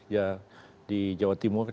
ya di jawa timur